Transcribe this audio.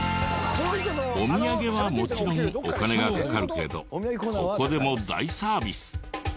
お土産はもちろんお金がかかるけどここでも大サービス。